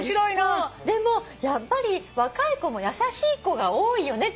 でもやっぱり若い子も優しい子が多いよねって。